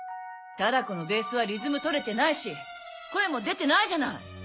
唯子のベースはリズムとれてないし声も出てないじゃない！